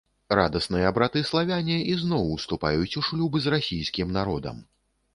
Радасныя браты-славяне ізноў уступаюць у шлюб з расійскім народам.